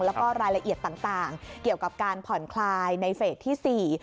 แล้วก็รายละเอียดต่างเกี่ยวกับการผ่อนคลายในเฟสที่๔